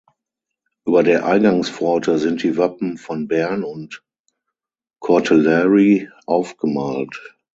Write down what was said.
Über der Eingangspforte sind die Wappen von Bern und Courtelary aufgemalt.